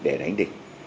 để đánh địch